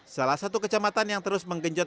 salah satu kecamatan yang terus menggenjot